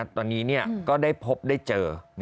ตอนนี้ก็ได้พบได้เจอ